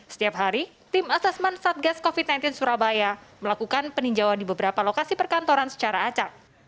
setiap hari tim asesmen satgas covid sembilan belas surabaya melakukan peninjauan di beberapa lokasi perkantoran secara acak